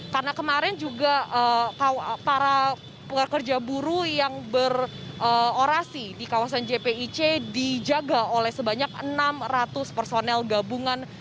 karena kemarin juga para pekerja buruh yang berorasi di kawasan jpic dijaga oleh sebanyak enam ratus personel gabungan